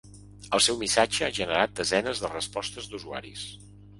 El seu missatge ha generat desenes de respostes d’usuaris.